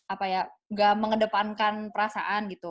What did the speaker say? apa ya nggak mengedepankan perasaan gitu